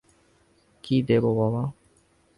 কী দেব বাবা?